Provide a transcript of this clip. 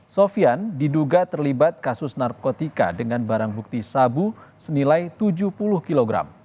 sofian diduga terlibat kasus narkotika dengan barang bukti sabu senilai tujuh puluh kg